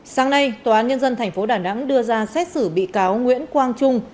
sáng nay tòa án nhân dân tp đà nẵng đưa ra xét xử bị cáo nguyễn quang trung